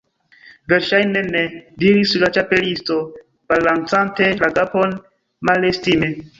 "Verŝajne ne," diris la Ĉapelisto, balancante la kapon malestime.